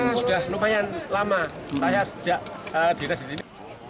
ya sudah lumayan lama saya sejak dinas disini